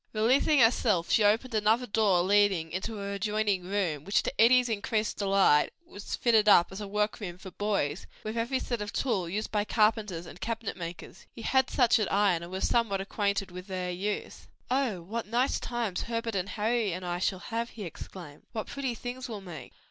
Releasing herself, she opened another door leading into an adjoining room which, to Eddie's increased delight, was fitted up as a work room for boys, with every sort of tool used by carpenters and cabinet makers. He had such at Ion and was somewhat acquainted with their use. "Oh what nice times Herbert and Harry and I shall have!" he exclaimed. "What pretty things we'll make!